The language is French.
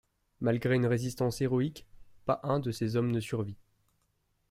Malgré une résistance héroïque, pas un de ses hommes ne survit.